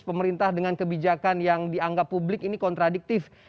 pemerintah dengan kebijakan yang dianggap publik ini kontradiktif